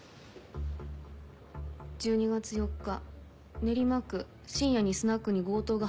１２月４日練馬区深夜にスナックに強盗が入り。